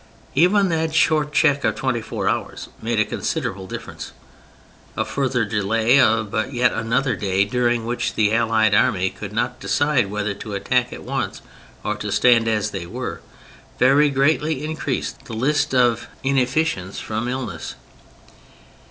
Even that short check of twenty four hours made a considerable difference. A further delay of but yet another day, during which the Allied Army could not decide whether to attack at once or to stand as they were, very greatly increased the list of inefficients from illness.